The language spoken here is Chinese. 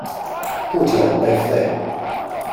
不久被废。